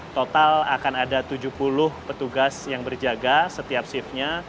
total akan ada tujuh puluh petugas yang berjaga setiap shiftnya